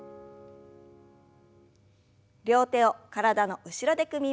両手を体の後ろで組みましょう。